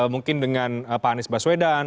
mungkin dengan pak anies baswedan